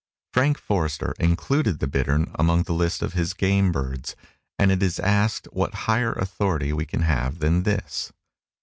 Frank Forrester included the bittern among the list of his game birds, and it is asked what higher authority we can have than his.